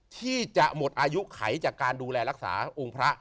ที่จะหมดอายุไขจากการดูแลรักษาองค์พระ